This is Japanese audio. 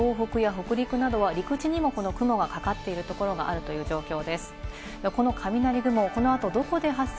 また、東北や北陸などは、陸地にもこの雲がかかっているところがあるという状況です。